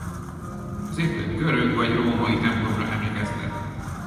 Az épület görög- vagy római templomra emlékeztet.